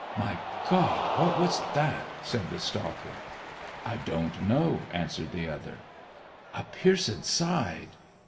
"My God, what was that?" said the stalker. "I don't know," answered the other. "A pierced side!"